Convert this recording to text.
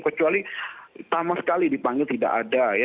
kecuali sama sekali dipanggil tidak ada ya